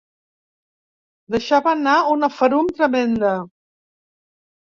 Deixava anar una ferum tremenda.